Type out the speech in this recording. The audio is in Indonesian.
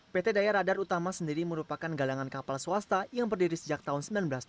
pt daya radar utama sendiri merupakan galangan kapal swasta yang berdiri sejak tahun seribu sembilan ratus tujuh puluh